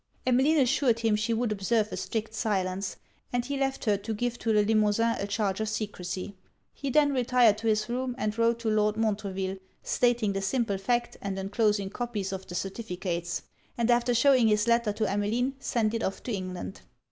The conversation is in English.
Emmeline assured him she would observe a strict silence; and he left her to give to Le Limosin a charge of secresy. He then retired to his room, and wrote to Lord Montreville, stating the simple fact, and enclosing copies of the certificates; and after shewing his letter to Emmeline, sent it off to England.